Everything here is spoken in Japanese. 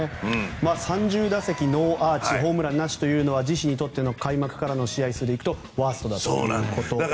３０打席ノーアーチホームランなしというのは自身にとって開幕からの試合で行くとワーストだということです。